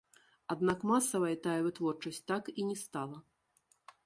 Аднак масавай тая вытворчасць так і не стала.